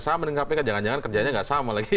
jangan jangan kerjanya tidak sama lagi